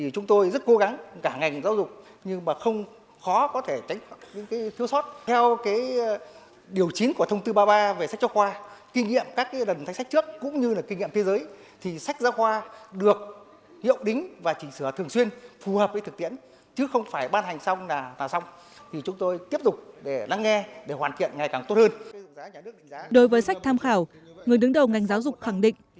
đối với sách tham khảo người đứng đầu ngành giáo dục khẳng định các nhà trường không được ép học sinh mua sách tham khảo dưới bất kỳ hình thức